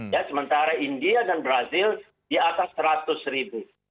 ya sementara india dan brazil di atas seratus ribu